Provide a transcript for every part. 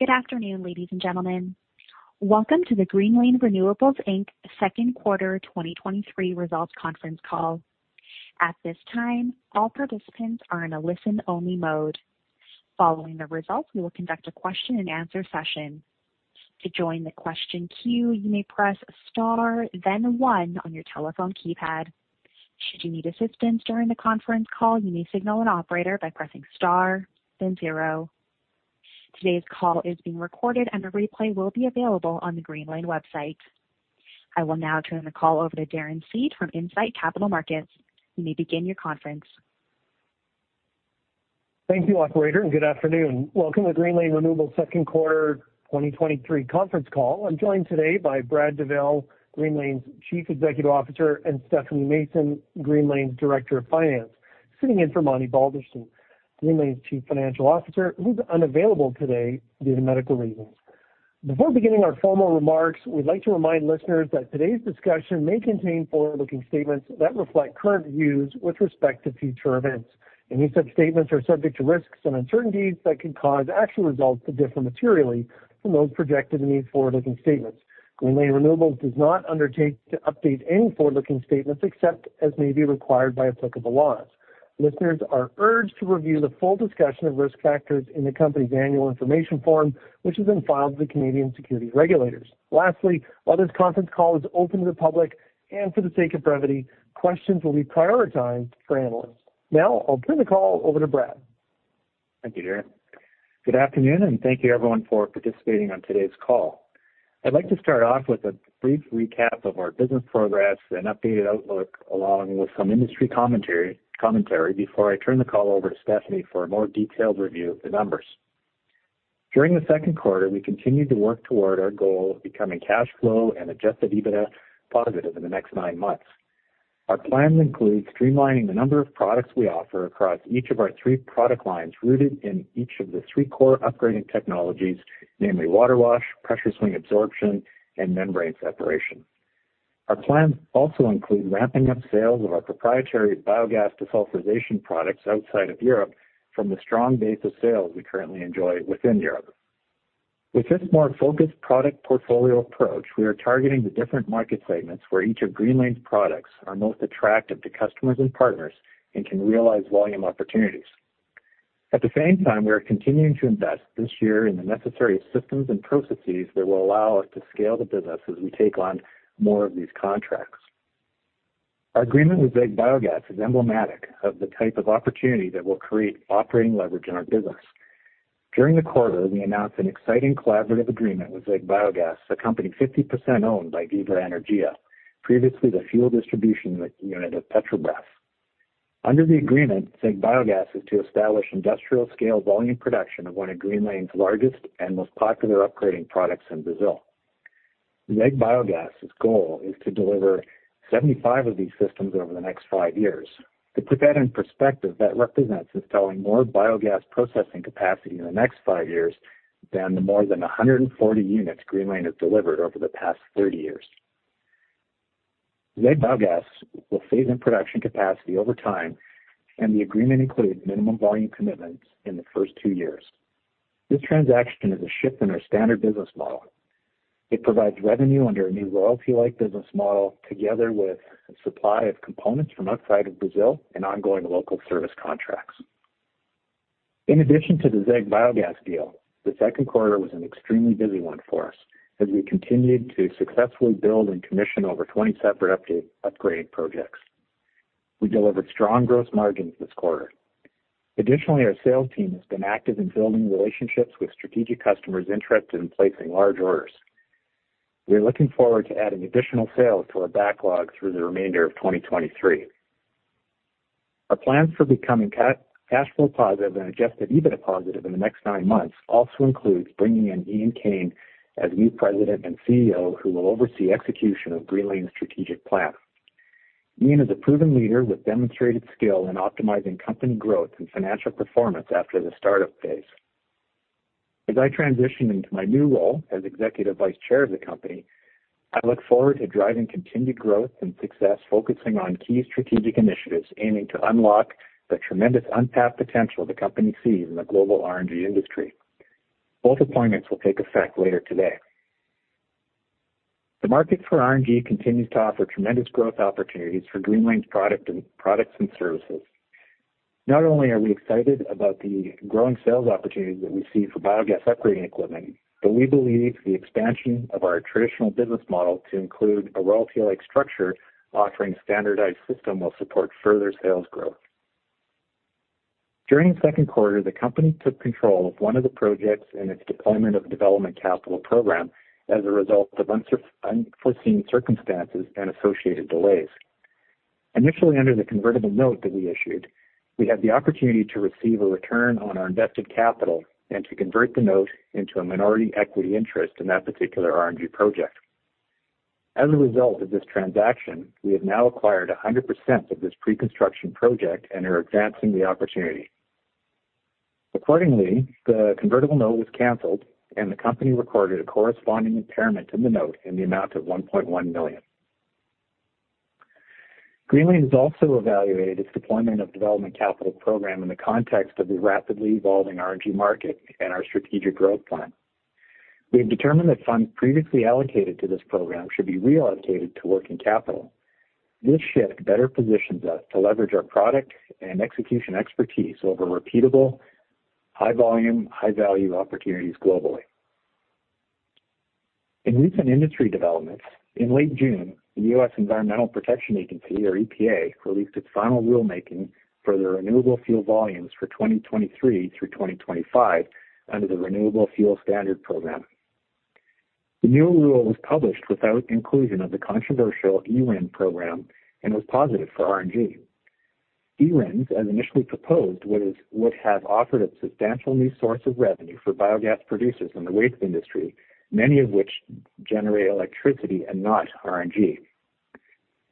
Good afternoon, ladies and gentlemen. Welcome to the Greenlane Renewables Inc.'s Second Quarter 2023 Results Conference call. At this time, all participants are in a listen-only mode. Following the results, we will conduct a question-and-answer session. To join the question queue, you may press Star, then 1 on your telephone keypad. Should you need assistance during the conference call, you may signal an operator by pressing Star then zero. Today's call is being recorded, and a replay will be available on the Greenlane website. I will now turn the call over to Darren Seed from Incite Capital Markets. You may begin your conference. Thank you, operator, good afternoon. Welcome to Greenlane Renewables second quarter 2023 conference call. I'm joined today by Brad Douville, Greenlane's Chief Executive Officer, and Stephanie Mason, Greenlane's Director of Finance, sitting in for Monty Balderston, Greenlane's Chief Financial Officer, who's unavailable today due to medical reasons. Before beginning our formal remarks, we'd like to remind listeners that today's discussion may contain forward-looking statements that reflect current views with respect to future events. Any such statements are subject to risks and uncertainties that could cause actual results to differ materially from those projected in these forward-looking statements. Greenlane Renewables does not undertake to update any forward-looking statements except as may be required by applicable laws. Listeners are urged to review the full discussion of risk factors in the company's annual information form, which has been filed with the Canadian securities regulators. Lastly, while this conference call is open to the public and for the sake of brevity, questions will be prioritized for analysts. Now I'll turn the call over to Brad. Thank you, Darren. Good afternoon. Thank you, everyone, for participating on today's call. I'd like to start off with a brief recap of our business progress and updated outlook, along with some industry commentary, before I turn the call over to Stephanie for a more detailed review of the numbers. During the second quarter, we continued to work toward our goal of becoming cash flow and adjusted EBITDA positive in the next nine months. Our plans include streamlining the number of products we offer across each of our three product lines, rooted in each of the three core upgrading technologies, namely water wash, pressure swing adsorption, and membrane separation. Our plans also include ramping up sales of our proprietary biogas desulfurization products outside of Europe from the strong base of sales we currently enjoy within Europe. With this more focused product portfolio approach, we are targeting the different market segments where each of Greenlane's products are most attractive to customers and partners and can realize volume opportunities. At the same time, we are continuing to invest this year in the necessary systems and processes that will allow us to scale the business as we take on more of these contracts. Our agreement with ZEG Biogas is emblematic of the type of opportunity that will create operating leverage in our business. During the quarter, we announced an exciting collaborative agreement with ZEG Biogas, a company 50% owned by Vibra Energia, previously the fuel distribution unit of Petrobras. Under the agreement, ZEG Biogas is to establish industrial-scale volume production of one of Greenlane's largest and most popular upgrading products in Brazil. ZEG Biogas's goal is to deliver 75 of these systems over the next five years. To put that in perspective, that represents installing more biogas processing capacity in the next five years than the more than 140 units Greenlane has delivered over the past 30 years. ZEG Biogas will phase in production capacity over time, and the agreement includes minimum volume commitments in the first 2 years. This transaction is a shift in our standard business model. It provides revenue under a new royalty-like business model, together with supply of components from outside of Brazil and ongoing local service contracts. In addition to the ZEG Biogas deal, the Q2 was an extremely busy one for us as we continued to successfully build and commission over 20 separate upgrade, upgrading projects. We delivered strong gross margins this quarter. Additionally, our sales team has been active in building relationships with strategic customers interested in placing large orders. We are looking forward to adding additional sales to our backlog through the remainder of 2023. Our plans for becoming cash flow positive and adjusted EBITDA positive in the next nine months also includes bringing in Ian Kane as new President and CEO, who will oversee execution of Greenlane's strategic plan. Ian is a proven leader with demonstrated skill in optimizing company growth and financial performance after the startup phase. As I transition into my new role as Executive Vice Chair of the company, I look forward to driving continued growth and success, focusing on key strategic initiatives aiming to unlock the tremendous untapped potential the company sees in the global RNG industry. Both appointments will take effect later today. The market for RNG continues to offer tremendous growth opportunities for Greenlane's products and services. Not only are we excited about the growing sales opportunities that we see for biogas upgrading equipment, but we believe the expansion of our traditional business model to include a royalty-like structure offering standardized system will support further sales growth. During the second quarter, the company took control of one of the projects in its deployment of development capital program as a result of unforeseen circumstances and associated delays. Initially, under the convertible note that we issued, we had the opportunity to receive a return on our invested capital and to convert the note into a minority equity interest in that particular RNG project. As a result of this transaction, we have now acquired 100% of this pre-construction project and are advancing the opportunity. Accordingly, the convertible note was canceled, and the company recorded a corresponding impairment in the note in the amount of $1.1 million. Greenlane has also evaluated its deployment of development capital program in the context of the rapidly evolving RNG market and our strategic growth plan. We have determined that funds previously allocated to this program should be reallocated to working capital. This shift better positions us to leverage our product and execution expertise over repeatable, high volume, high value opportunities globally. In recent industry developments, in late June, the US Environmental Protection Agency, or EPA, released its final rulemaking for the renewable fuel volumes for 2023 through 2025 under the Renewable Fuel Standard Program. The new rule was published without inclusion of the controversial RIN program and was positive for RNG. RINs, as initially proposed, would have offered a substantial new source of revenue for biogas producers in the waste industry, many of which generate electricity and not RNG.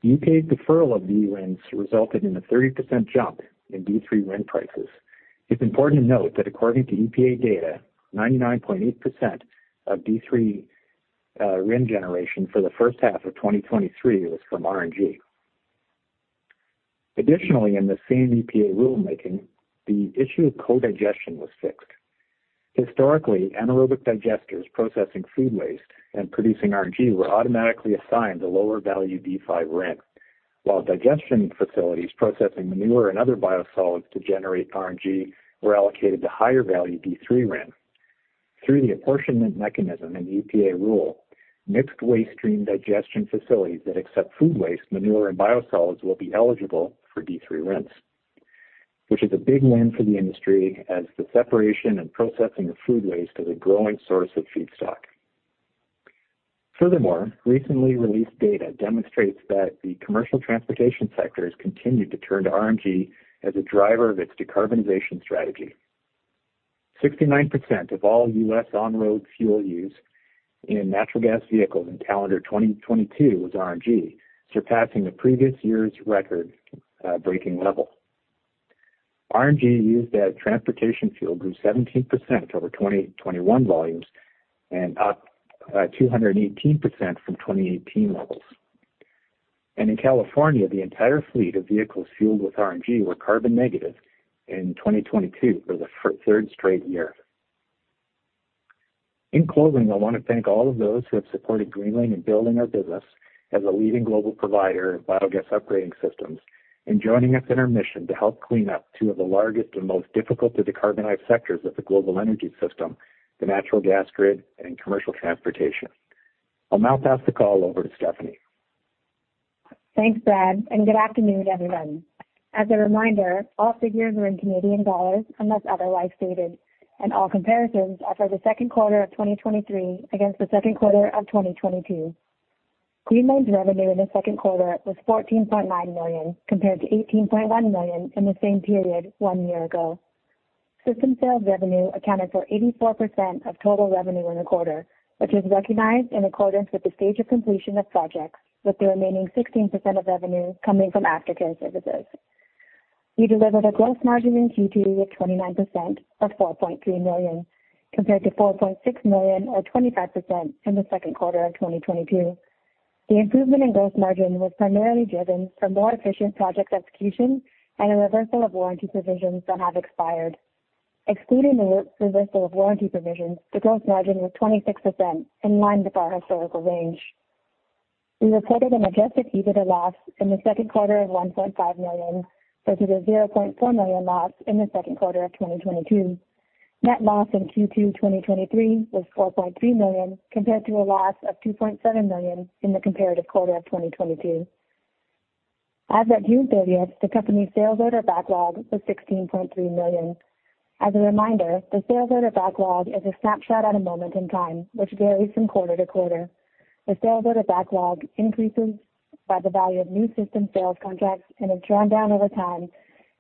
EPA's deferral of the RINs resulted in a 30% jump in D3 RIN prices. It's important to note that according to EPA data, 99.8% of D3 RIN generation for the first half of 2023 was from RNG. In the same EPA rulemaking, the issue of co-digestion was fixed. Historically, anaerobic digesters processing food waste and producing RNG were automatically assigned the lower value D5 RIN, while digestion facilities processing manure and other biosolids to generate RNG were allocated to higher value D3 RIN. Through the apportionment mechanism in the EPA rule, mixed waste stream digestion facilities that accept food waste, manure, and biosolids will be eligible for D3 RINs, which is a big win for the industry as the separation and processing of food waste is a growing source of feedstock. Furthermore, recently released data demonstrates that the commercial transportation sector has continued to turn to RNG as a driver of its decarbonization strategy. 69% of all US on-road fuel use in natural gas vehicles in calendar 2022 was RNG, surpassing the previous year's record, breaking level. RNG used as transportation fuel grew 17% over 2021 volumes and up 218% from 2018 levels. In California, the entire fleet of vehicles fueled with RNG were carbon negative in 2022 for the third straight year. In closing, I want to thank all of those who have supported Greenlane in building our business as a leading global provider of biogas upgrading systems and joining us in our mission to help clean up two of the largest and most difficult to decarbonize sectors of the global energy system, the natural gas grid and commercial transportation. I'll now pass the call over to Stephanie. Thanks, Brad. Good afternoon, everyone. As a reminder, all figures are in Canadian dollars unless otherwise stated. All comparisons are for the second quarter of 2023 against the second quarter of 2022. Greenlane's revenue in the second quarter was 14.9 million, compared to 18.1 million in the same period 1 year ago. System sales revenue accounted for 84% of total revenue in the quarter, which was recognized in accordance with the stage of completion of projects, with the remaining 16% of revenue coming from aftercare services. We delivered a gross margin in Q2 of 29%, or 4.3 million, compared to 4.6 million or 25% in the second quarter of 2022. The improvement in gross margin was primarily driven from more efficient project execution and a reversal of warranty provisions that have expired. Excluding the reversal of warranty provisions, the gross margin was 26%, in line with our historical range. We reported an adjusted EBITDA loss in the second quarter of 1.5 million versus a 0.4 million loss in the second quarter of 2022. Net loss in Q2 2023 was 4.3 million, compared to a loss of 2.7 million in the comparative quarter of 2022. As of June 30th, the company's Sales Order Backlog was 16.3 million. As a reminder, the Sales Order Backlog is a snapshot at a moment in time, which varies from quarter to quarter. The Sales Order Backlog increases by the value of new system sales contracts and is drawn down over time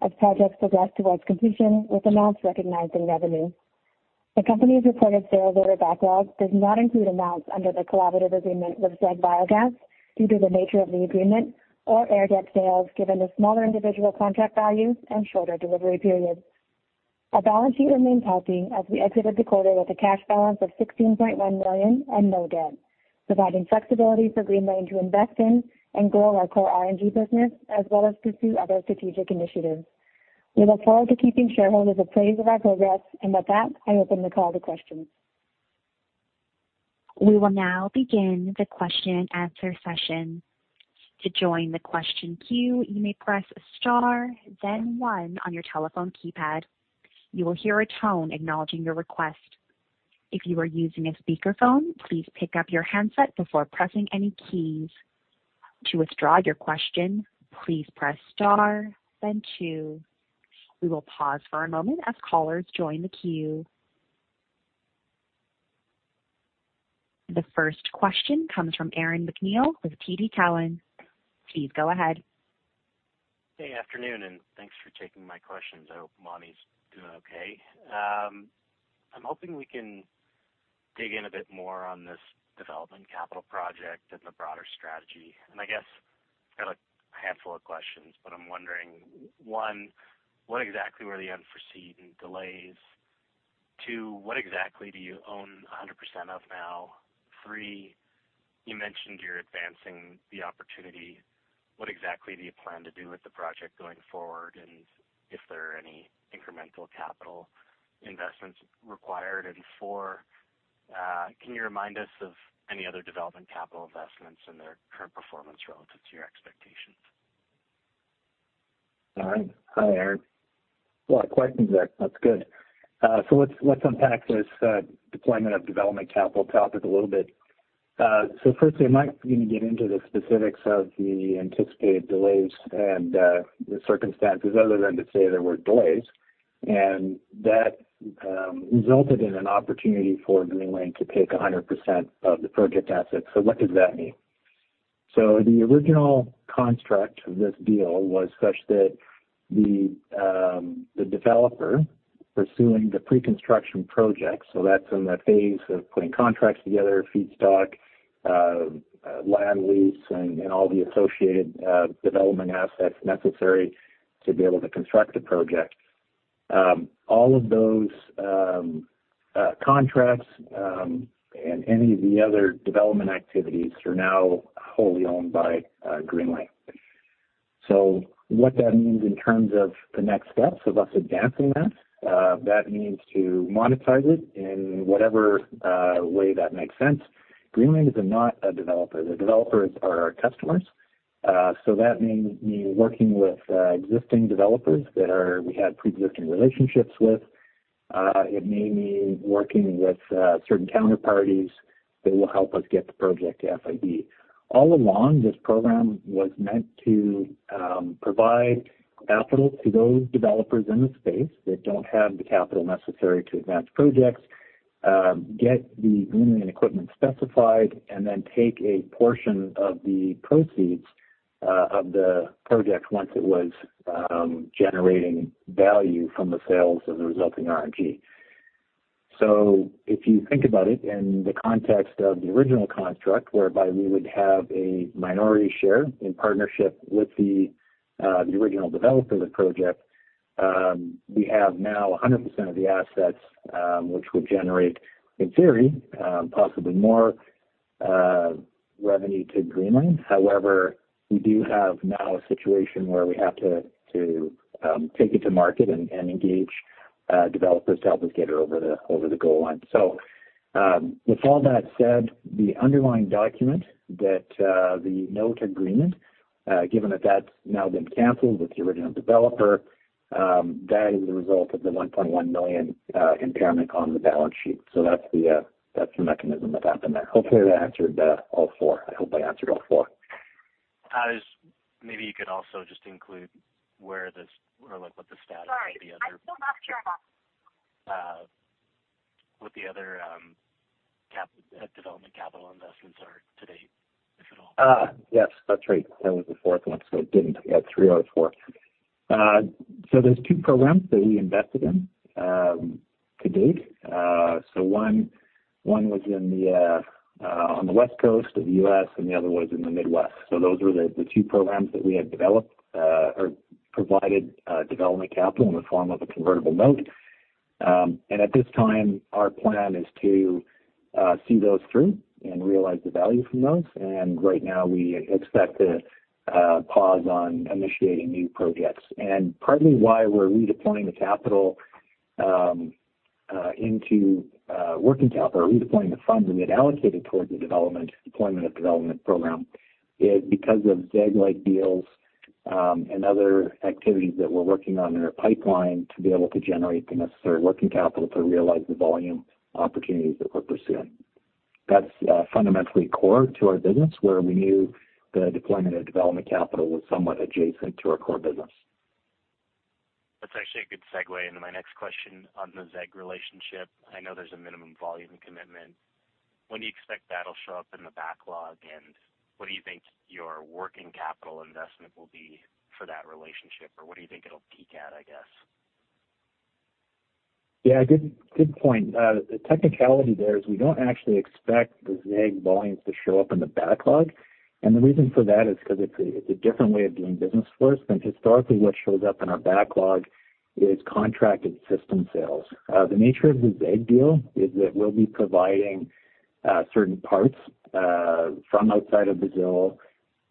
as projects progress towards completion, with amounts recognized in revenue. The company's reported Sales Order Backlog does not include amounts under the collaborative agreement with ZEG Biogas due to the nature of the agreement or Airdep sales, given the smaller individual contract values and shorter delivery periods. Our balance sheet remains healthy as we exited the quarter with a cash balance of 16.1 million and no debt, providing flexibility for Greenlane to invest in and grow our core RNG business, as well as pursue other strategic initiatives. We look forward to keeping shareholders appraised of our progress. With that, I open the call to questions. We will now begin the question-and-answer session. To join the question queue, you may press star then one on your telephone keypad. You will hear a tone acknowledging your request. If you are using a speakerphone, please pick up your handset before pressing any keys. To withdraw your question, please press star then two. We will pause for a moment as callers join the queue. The first question comes from Aaron MacNeil with TD Cowen. Please go ahead. Hey, afternoon, and thanks for taking my questions. I hope Monty's doing okay. I'm hoping we can dig in a bit more on this development capital project and the broader strategy. I guess I got a handful of questions, but I'm wondering, one, what exactly were the unforeseen delays? Two, what exactly do you own 100% of now? Three, you mentioned you're advancing the opportunity. What exactly do you plan to do with the project going forward, and if there are any incremental capital investments required? Four, can you remind us of any other development capital investments and their current performance relative to your expectations? All right. Hi, Aaron. A lot of questions there. That's good. Let's, let's unpack this deployment of development capital topic a little bit. Firstly, I'm not going to get into the specifics of the anticipated delays and the circumstances, other than to say there were delays, and that resulted in an opportunity for Greenlane to take 100% of the project assets. What does that mean? The original construct of this deal was such that the developer pursuing the preconstruction project, that's in the phase of putting contracts together, feedstock, land lease, and, and all the associated development assets necessary to be able to construct a project. All of those contracts and any of the other development activities are now wholly owned by Greenlane. What that means in terms of the next steps of us advancing that, that means to monetize it in whatever way that makes sense. Greenlane is not a developer. The developers are our customers. That may mean working with existing developers that we have preexisting relationships with. It may mean working with certain counterparties that will help us get the project to FID. All along, this program was meant to provide capital to those developers in the space that don't have the capital necessary to advance projects, get the Greenlane equipment specified, and then take a portion of the proceeds of the project once it was generating value from the sales of the resulting RNG. If you think about it in the context of the original construct, whereby we would have a minority share in partnership with the original developer of the project, we have now 100% of the assets, which will generate, in theory, possibly more revenue to Greenlane. However, we do have now a situation where we have to, to, take it to market and engage developers to help us get it over the goal line. With all that said, the underlying document that the note agreement, given that that's now been canceled with the original developer, that is a result of the 1.1 million impairment on the balance sheet. That's the mechanism that happened there. Hopefully, that answered all four. I hope I answered all four. Just maybe you could also just include where this or, like, what the status of the other- Sorry, I still not clear about. What the other development capital investments are to date, if at all? Yes, that's right. That was the fourth one, so I didn't... We had three out of four. So there's two programs that we invested in to date. So one, one was on the West Coast of the US, and the other was in the Midwest. So those were the two programs that we had developed or provided development capital in the form of a convertible note. At this time, our plan is to see those through and realize the value from those. Right now, we expect to pause on initiating new projects. Partly why we're redeploying the capital, into working capital or redeploying the funds we had allocated toward the development, deployment of development program, is because of ZEG-like deals, and other activities that we're working on in our pipeline to be able to generate the necessary working capital to realize the volume opportunities that we're pursuing. That's fundamentally core to our business, where we knew the deployment of development capital was somewhat adjacent to our core business. That's actually a good segue into my next question on the ZEG relationship. I know there's a minimum volume commitment. When do you expect that'll show up in the backlog, and what do you think your working capital investment will be for that relationship, or what do you think it'll peak at, I guess? Yeah, good, good point. The technicality there is we don't actually expect the ZEG volumes to show up in the backlog. The reason for that is because it's a different way of doing business for us. Historically, what shows up in our backlog is contracted system sales. The nature of the ZEG deal is that we'll be providing certain parts from outside of Brazil.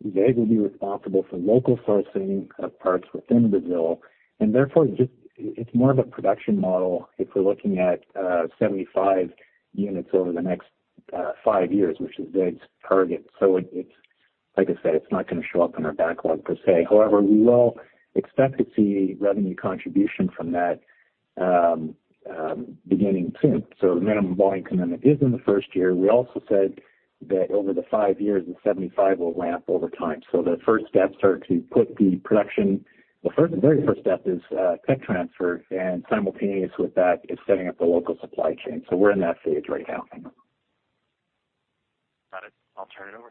ZEG will be responsible for local sourcing of parts within Brazil, and therefore, it's more of a production model if we're looking at 75 units over the next five years, which is ZEG's target. It's, like I said, it's not going to show up in our backlog per se. However, we will expect to see revenue contribution from that beginning soon. Minimum volume commitment is in the first year. We also said that over the five years, the 75 will ramp over time. The first steps are to put the production... The first, the very first step is tech transfer, and simultaneous with that is setting up the local supply chain. We're in that phase right now. Got it. I'll turn it over.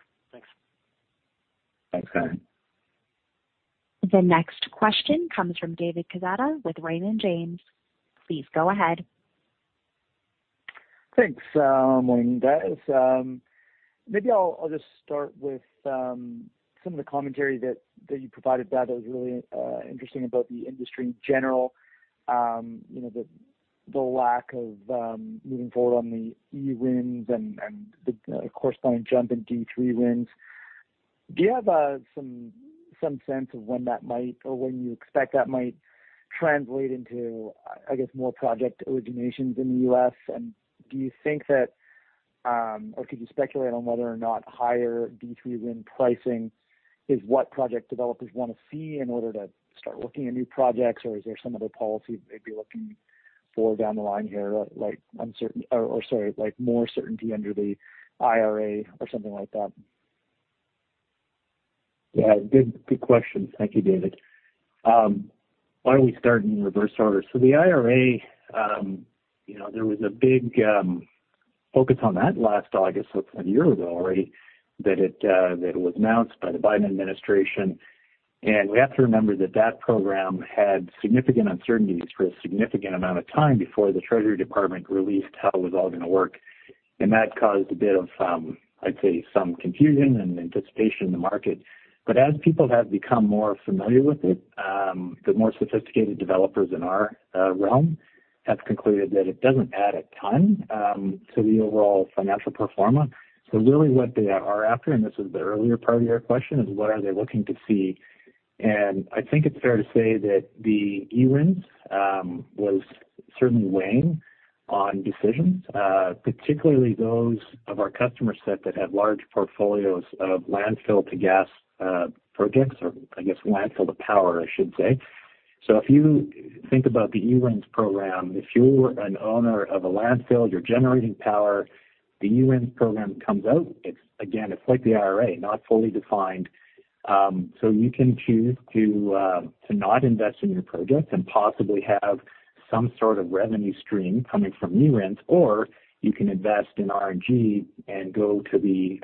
Thanks. Thanks, Aaron. The next question comes from David Quezada with Raymond James. Please go ahead. Thanks, guys. Maybe I'll, I'll just start with some of the commentary that, that you provided, Brad, that was really interesting about the industry in general. You know, the, the lack of moving forward on the eRINs and, and the, of course, the jump in D3 RINs. Do you have some, some sense of when that might or when you expect that might translate into, I, I guess, more project originations in the US? Do you think that, or could you speculate on whether or not higher D3 RIN pricing is what project developers want to see in order to start looking at new projects, or is there some other policy they'd be looking for down the line here, like uncertain- or, or, sorry, like, more certainty under the IRA or something like that? Yeah, good, good question. Thank you, David. Why don't we start in reverse order? The IRA, you know, there was a big focus on that last August, a year ago already, that it was announced by the Biden administration. We have to remember that that program had significant uncertainties for a significant amount of time before the Treasury Department released how it was all gonna work. That caused a bit of, I'd say, some confusion and anticipation in the market. As people have become more familiar with it, the more sophisticated developers in our realm have concluded that it doesn't add a ton to the overall financial performance. Really what they are after, and this is the earlier part of your question, is what are they looking to see? I think it's fair to say that the eRINs was certainly weighing on decisions, particularly those of our customer set that have large portfolios of landfill-to-gas projects, or I guess, landfill-to-power, I should say. If you think about the eRINs program, if you're an owner of a landfill, you're generating power, the eRINs program comes out. It's, again, it's like the IRA, not fully defined. You can choose to not invest in your project and possibly have some sort of revenue stream coming from eRINs, or you can invest in RNG and go to the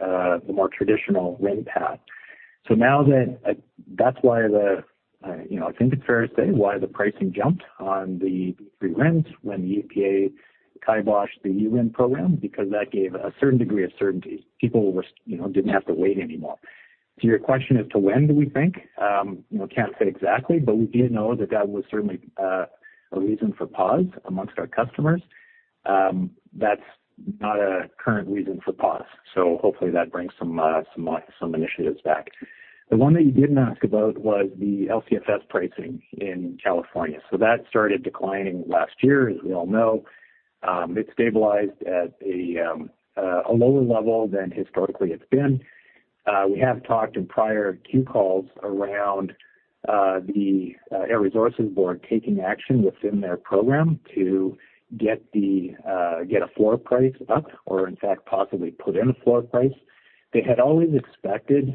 more traditional RIN path. That's why, you know, I think it's fair to say why the pricing jumped on the D3 RINs when the EPA kiboshed the eRIN program, because that gave a certain degree of certainty. People were, you know, didn't have to wait anymore. To your question as to when do we think? You know, can't say exactly, but we do know that that was certainly, a reason for pause amongst our customers. That's not a current reason for pause, so hopefully, that brings some, some, some initiatives back. The one that you didn't ask about was the LCFS pricing in California. That started declining last year, as we all know. It's stabilized at a, a lower level than historically it's been. We have talked in prior Q calls around, the Air Resources Board taking action within their program to get the get a floor price up or, in fact, possibly put in a floor price. They had always expected,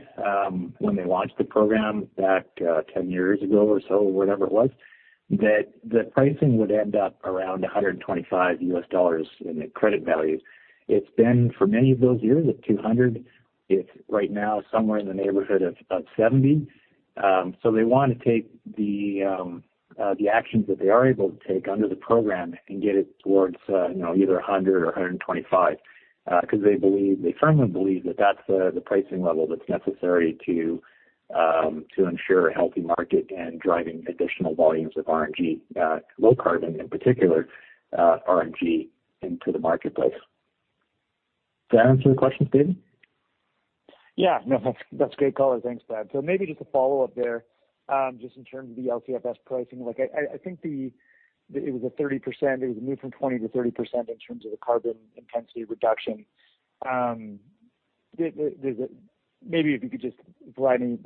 when they launched the program back, 10 years ago or so, whatever it was, that the pricing would end up around $125 in the credit value. It's been for many of those years at $200. It's right now somewhere in the neighborhood of $70. They want to take the actions that they are able to take under the program and get it towards, you know, either $100 or $125, because they believe, they firmly believe that that's the pricing level that's necessary to ensure a healthy market and driving additional volumes of RNG, low carbon, in particular, RNG into the marketplace. Did I answer the question, David? Yeah, no, that's a great color. Thanks, Brad. Maybe just a follow-up there. Just in terms of the LCFS pricing, I think the, it was a 30%, it was a move from 20%-30% in terms of the carbon intensity reduction. Maybe if you could just provide me,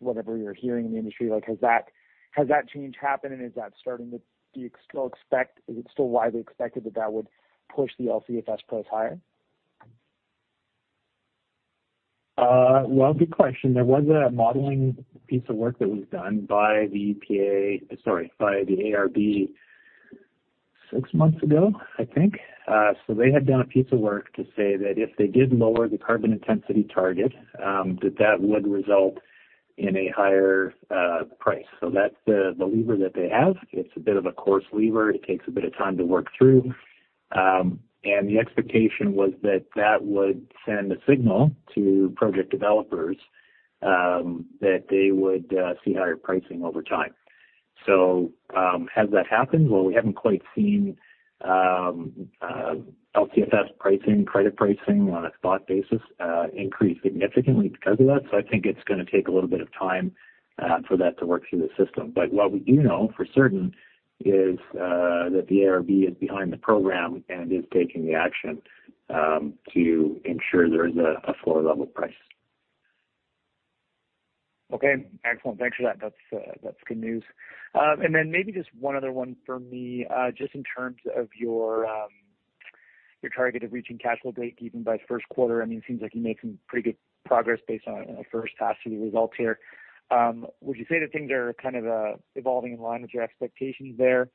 whatever you're hearing in the industry, has that, has that change happened, and is that starting to, do you still expect, is it still widely expected that that would push the LCFS price higher? Well, good question. There was a modeling piece of work that was done by the EPA, sorry, by the ARB six months ago, I think. They had done a piece of work to say that if they did lower the carbon intensity target, that that would result in a higher price. That's the, the lever that they have. It's a bit of a coarse lever. It takes a bit of time to work through. The expectation was that that would send a signal to project developers, that they would see higher pricing over time. Has that happened? Well, we haven't quite seen LCFS pricing, credit pricing on a spot basis, increase significantly because of that. I think it's gonna take a little bit of time for that to work through the system. What we do know for certain is, that the ARB is behind the program and is taking the action, to ensure there is a, a floor-level price. Okay, excellent. Thanks for that. That's, that's good news. Then maybe just one other one for me. Just in terms of your, your target of reaching cash flow breakeven by first quarter, I mean, it seems like you're making pretty good progress based on, on the first half of the results here. Would you say the things are kind of, evolving in line with your expectations there,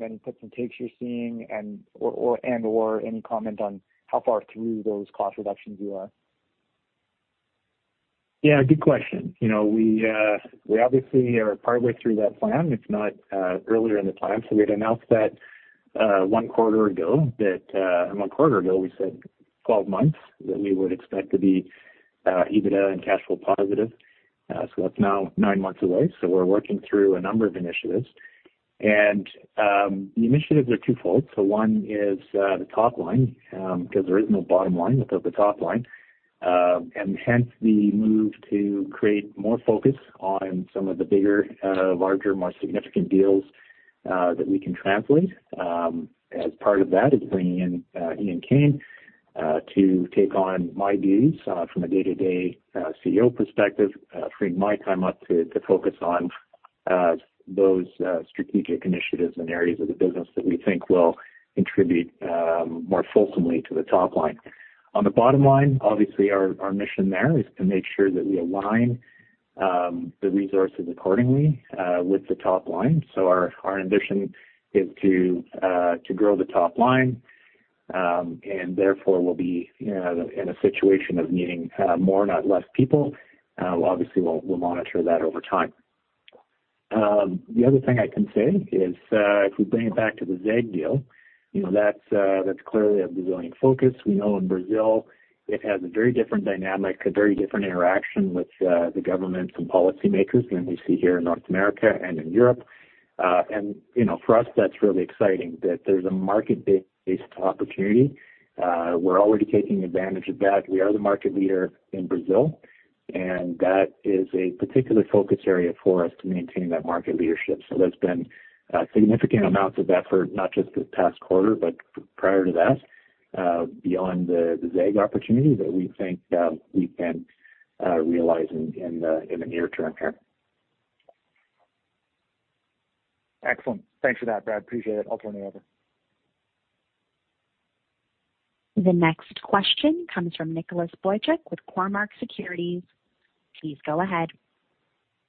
any puts and takes you're seeing and, or, or, and/or any comment on how far through those cost reductions you are?... Yeah, good question. You know, we, we obviously are partway through that plan, if not, earlier in the plan. We had announced that, one quarter ago, that, one quarter ago, we said 12 months, that we would expect to be, EBITDA and cash flow positive. That's now 9 months away. We're working through a number of initiatives. The initiatives are twofold. One is, the top line, because there is no bottom line without the top line. Hence the move to create more focus on some of the bigger, larger, more significant deals, that we can translate. As part of that is bringing in Ian Kane to take on my duties from a day-to-day CEO perspective, freeing my time up to focus on those strategic initiatives and areas of the business that we think will contribute more fulsomely to the top line. On the bottom line, obviously, our mission there is to make sure that we align the resources accordingly with the top line. Our ambition is to grow the top line, and therefore we'll be, you know, in a situation of needing more, not less people. Obviously, we'll monitor that over time. The other thing I can say is, if we bring it back to the ZEG deal, you know, that's clearly a Brazilian focus. We know in Brazil, it has a very different dynamic, a very different interaction with the government and policymakers than we see here in North America and in Europe. You know, for us, that's really exciting, that there's a market-based opportunity. We're already taking advantage of that. We are the market leader in Brazil, and that is a particular focus area for us to maintain that market leadership. There's been significant amounts of effort, not just this past quarter, but prior to that, beyond the ZEG opportunity that we think we can realize in the near term here. Excellent. Thanks for that, Brad. Appreciate it. I'll turn it over. The next question comes from Nicholas Boychuk with Cormark Securities. Please go ahead.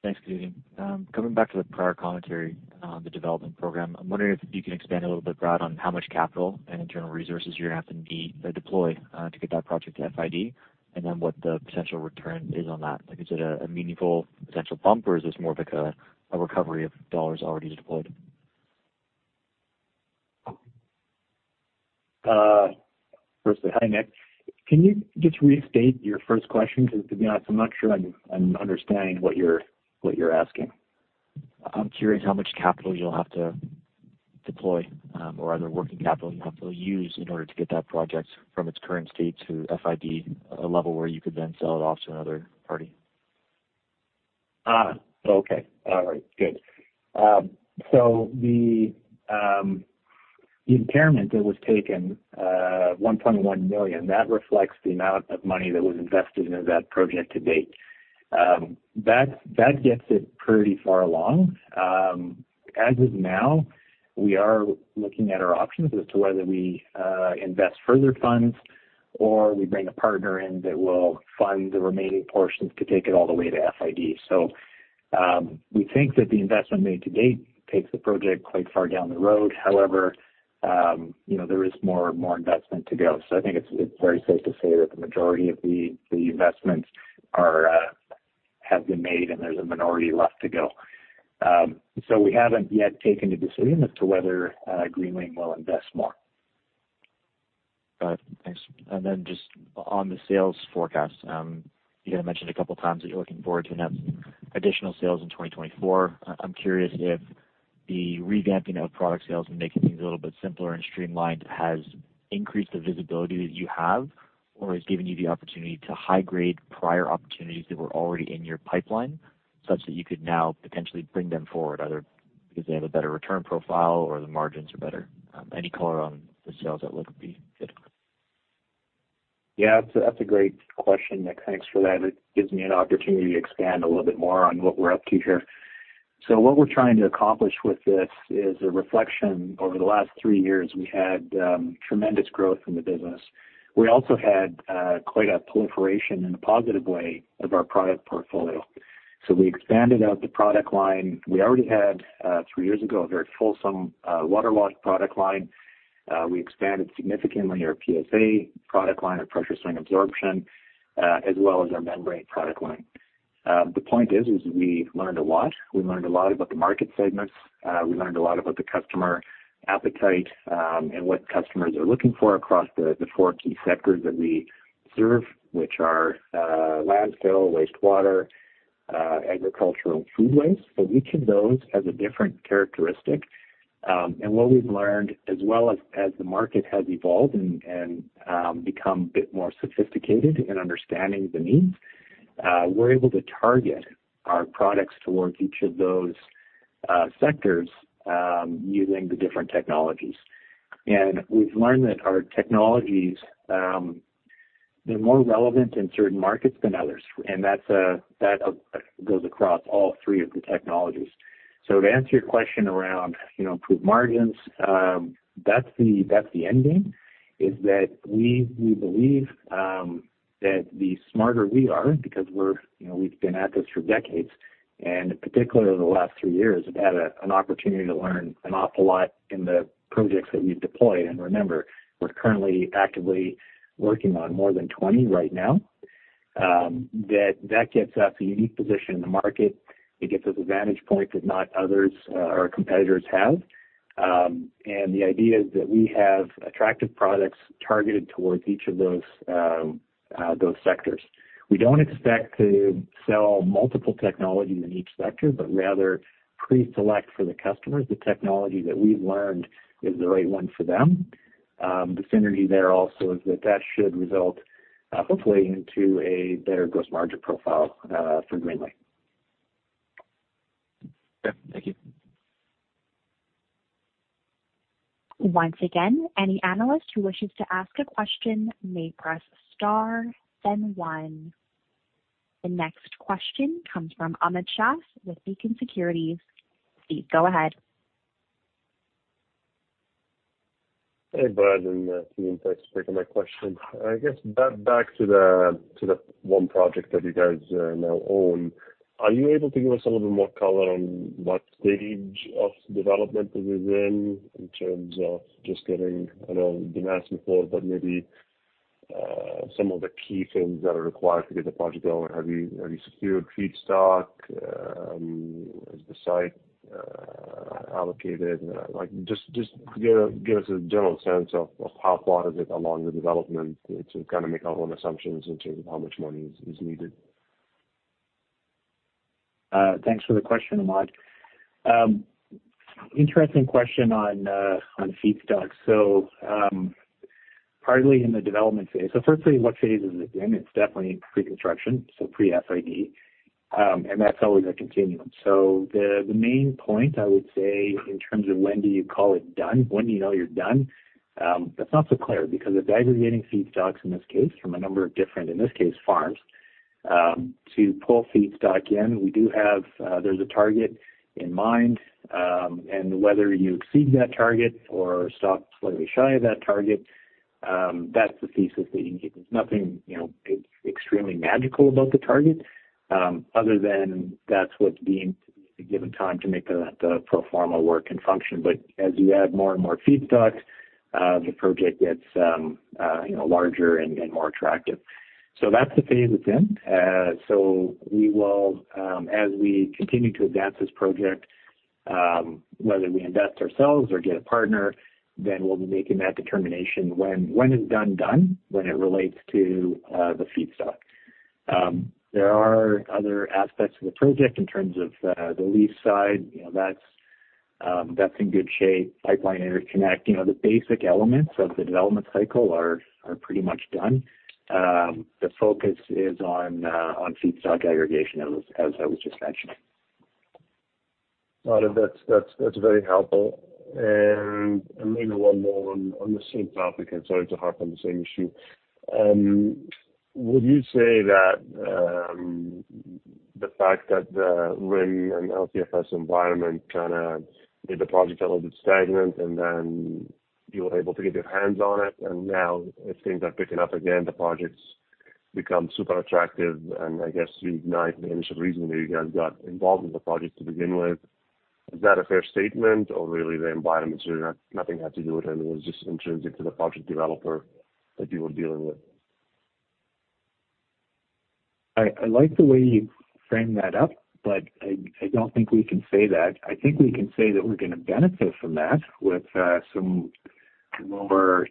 Thanks, Vivian. Going back to the prior commentary on the development program, I'm wondering if you can expand a little bit, Brad, on how much capital and internal resources you're going to have to need, deploy, to get that project to FID, and then what the potential return is on that? Like, is it a meaningful potential bump, or is this more of like a recovery of dollars already deployed? Firstly, hi, Nick. Can you just restate your first question? Because to be honest, I'm not sure I'm understanding what you're asking. I'm curious how much capital you'll have to deploy, or other working capital you'll have to use in order to get that project from its current state to FID, a level where you could then sell it off to another party. Okay. All right, good. The impairment that was taken, 1.1 million, that reflects the amount of money that was invested into that project to date. That, that gets it pretty far along. As of now, we are looking at our options as to whether we invest further funds or we bring a partner in that will fund the remaining portions to take it all the way to FID. We think that the investment made to date takes the project quite far down the road. However, you know, there is more, more investment to go. I think it's, it's very safe to say that the majority of the, the investments are have been made, and there's a minority left to go. We haven't yet taken a decision as to whether Greenlane will invest more. Got it. Thanks. Then just on the sales forecast, you had mentioned a couple of times that you're looking forward to having additional sales in 2024. I'm curious if the revamping of product sales and making things a little bit simpler and streamlined has increased the visibility that you have, or has given you the opportunity to high grade prior opportunities that were already in your pipeline, such that you could now potentially bring them forward, either because they have a better return profile or the margins are better? Any color on the sales outlook would be good. Yeah, that's a great question, Nick. Thanks for that. It gives me an opportunity to expand a little bit more on what we're up to here. What we're trying to accomplish with this is a reflection. Over the last 3 years, we had tremendous growth in the business. We also had quite a proliferation in a positive way of our product portfolio. We expanded out the product line. We already had 3 years ago, a very fulsome water wash product line. We expanded significantly our PSA product line, our pressure swing adsorption, as well as our membrane product line. The point is, is we learned a lot. We learned a lot about the market segments, we learned a lot about the customer appetite, and what customers are looking for across the 4 key sectors that we serve, which are landfill, wastewater, agricultural and food waste. Each of those has a different characteristic, and what we've learned, as well as, as the market has evolved and, and, become a bit more sophisticated in understanding the needs, we're able to target our products towards each of those sectors, using the different technologies. We've learned that our technologies, they're more relevant in certain markets than others, and that's, that, goes across all 3 of the technologies. To answer your question around, you know, improved margins, that's the, that's the end game, is that we, we believe, that the smarter we are, because we're, you know, we've been at this for decades, particularly over the last 3 years, we've had a, an opportunity to learn an awful lot in the projects that we've deployed. Remember, we're currently actively working on more than 20 right now. That, that gets us a unique position in the market. It gets us a vantage point that not others, or competitors have. The idea is that we have attractive products targeted towards each of those, those sectors. We don't expect to sell multiple technologies in each sector, but rather pre-select for the customers the technology that we've learned is the right one for them. The synergy there also is that that should result, hopefully into a better gross margin profile, for Greenlane. Yeah, thank you. Once again, any analyst who wishes to ask a question may press star, then one. The next question comes from Ahmad Shaath with Beacon Securities. Please go ahead. Hey, Brad, and thanks for taking my question. I guess back, back to the one project that you guys now own. Are you able to give us a little bit more color on what stage of development it is in, in terms of just getting, I know you've been asking for, but maybe some of the key things that are required to get the project going? Have you, have you secured feedstock? Is the site allocated? Like, just, just give, give us a general sense of how far is it along the development to kind of make our own assumptions in terms of how much money is needed? Thanks for the question, Ahmad. Interesting question on, on feedstock. Partly in the development phase. Firstly, what phase is it in? It's definitely pre-construction, so pre-FID, and that's always a continuum. The, the main point I would say in terms of when do you call it done, when do you know you're done? That's not so clear because of aggregating feedstocks, in this case, from a number of different, in this case, farms. To pull feedstock in, we do have, there's a target in mind. Whether you exceed that target or stop slightly shy of that target, that's the thesis that you need. There's nothing, you know, extremely magical about the target, other than that's what's being given time to make the, the pro forma work and function. As you add more and more feedstock, you know, the project gets larger and more attractive. That's the phase it's in. We will, as we continue to advance this project, whether we invest ourselves or get a partner, then we'll be making that determination. When is done, when it relates to the feedstock? There are other aspects of the project in terms of the lease side, you know, that's in good shape. Pipeline interconnect, you know, the basic elements of the development cycle are pretty much done. The focus is on feedstock aggregation, as I was just mentioning. A lot of that's, that's, that's very helpful. And maybe one more on, on the same topic, and sorry to harp on the same issue. Would you say that the fact that the RIN and LCFS environment kind of made the project a little bit stagnant, and then you were able to get your hands on it, and now as things are picking up again, the project's become super attractive. And I guess you ignite the initial reason that you guys got involved in the project to begin with. Is that a fair statement? Or really, the environment is really nothing had to do with it, and it was just intrinsic to the project developer that you were dealing with? I, I like the way you framed that up, I, I don't think we can say that. I think we can say that we're going to benefit from that with some lower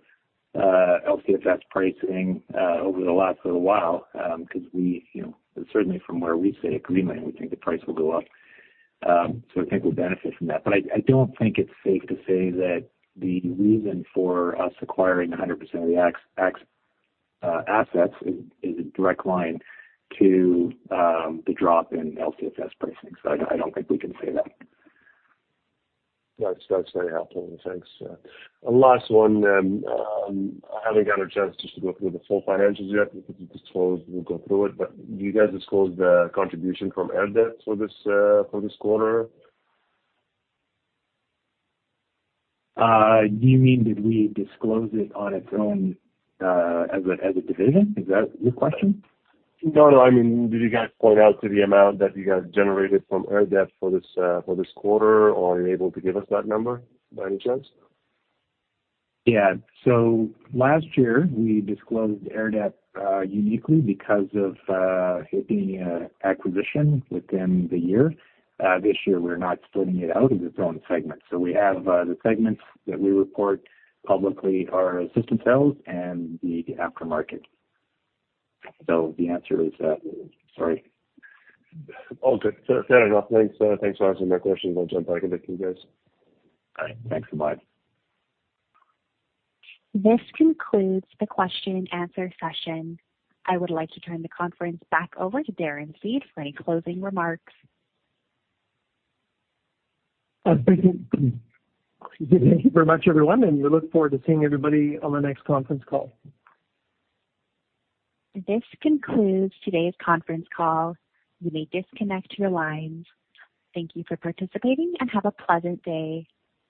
LCFS pricing over the last little while, because we, you know, certainly from where we sit at Greenlane, we think the price will go up. I think we'll benefit from that. I, I don't think it's safe to say that the reason for us acquiring 100% of the assets is, is a direct line to the drop in LCFS pricing. I don't, I don't think we can say that. That's, that's very helpful. Thanks. A last one then. I haven't got a chance just to go through the full financials yet, because we just we'll go through it. Do you guys disclose the contribution from Airdep for this, for this quarter? Do you mean, did we disclose it on its own, as a, as a division? Is that your question? No, no. I mean, did you guys point out to the amount that you guys generated from Airdep for this, for this quarter, or are you able to give us that number by any chance? Yeah. Last year, we disclosed Airdep uniquely because of making acquisition within the year. This year, we're not splitting it out as its own segment. We have the segments that we report publicly are system sales and the aftermarket. The answer is, sorry. All good. Fair enough. Thanks. Thanks for answering my questions. I'll jump back in with you guys. All right. Thanks so much. This concludes the question and answer session. I would like to turn the conference back over to Darren Seed for any closing remarks. Thank you. Thank you very much, everyone, and we look forward to seeing everybody on the next conference call. This concludes today's conference call. You may disconnect your lines. Thank you for participating, and have a pleasant day.